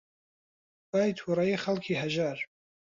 بای تووڕەیی خەڵکی هەژار